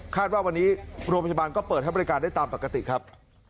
ว่าวันนี้โรงพยาบาลก็เปิดให้บริการได้ตามปกติครับ